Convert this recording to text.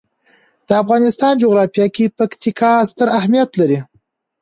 د افغانستان جغرافیه کې پکتیکا ستر اهمیت لري.